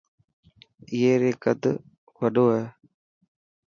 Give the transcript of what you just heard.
اي رو قد وڏو هي.